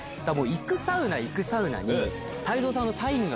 行くサウナ行くサウナに。